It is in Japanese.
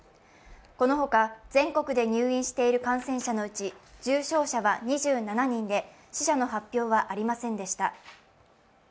この他、全国で入院している感染者のうち重症者は２７人で、死者の発表はありませんでした。